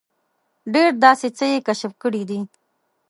ډېر داسې څه یې کشف کړي دي.